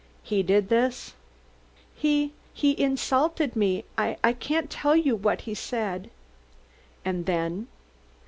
" he did this?" "Yes. He insulted me I can't tell you what he said." "And then?"